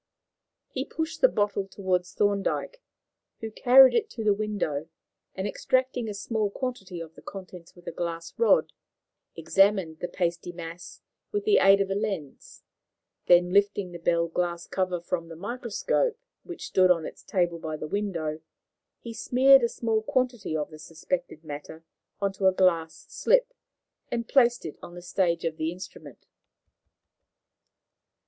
He pushed the bottle across to Thorndyke, who carried it to the window, and, extracting a small quantity of the contents with a glass rod, examined the pasty mass with the aid of a lens; then, lifting the bell glass cover from the microscope, which stood on its table by the window, he smeared a small quantity of the suspected matter on to a glass slip, and placed it on the stage of the instrument.